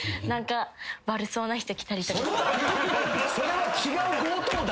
それは違う強盗団。